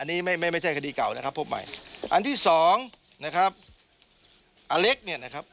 อันนี้ไม่ไม่ใช่คดีเก่านะครับพบใหม่อันที่สองนะครับอเล็กเนี่ยนะครับ